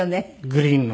グリーンの。